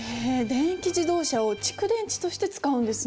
電気自動車を蓄電池として使うんですね。